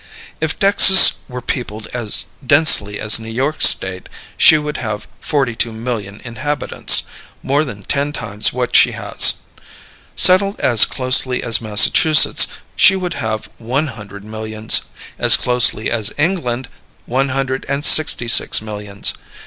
If Texas were peopled as densely as New York State, she would have forty two million inhabitants more than ten times what she has. Settled as closely as Massachusetts, she would have one hundred millions; as closely as England, one hundred and sixty six millions.